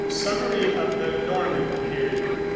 SUMMARY OF THE NORMAN PERIOD.